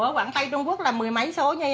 ủa quảng tây trung quốc là mười mấy số nhi